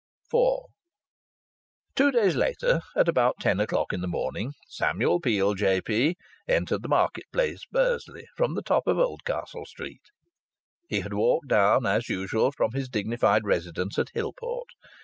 IV Two days later, at about ten o'clock in the morning, Samuel Peel, J.P., entered the market place, Bursley, from the top of Oldcastle Street. He had walked down, as usual, from his dignified residence at Hillport.